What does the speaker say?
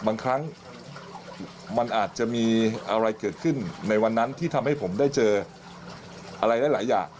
บางครั้งมันอาจจะมีอะไรเกิดขึ้นในวันนั้นที่ทำให้ผมได้เจออะไรหลายอย่าง